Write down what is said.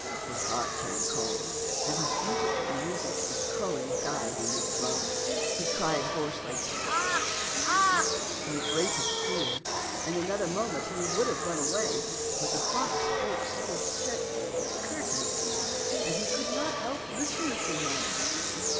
His heart turned cold, and the beautiful music of his crow ing died in his throat. He cried hoarsely, " Cok ! cok !" in the greatest fear. In another moment he would have run away, but the fox spoke so gently and courteously that he could not help listening to him.